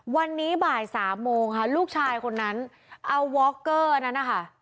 วันนี้บ่ายสามโมงค่ะลูกชายคนนั้นเอาวอคเกอร์นั้นนะคะ